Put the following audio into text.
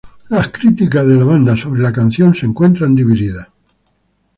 Las críticas de la banda sobre la canción se encuentran divididas.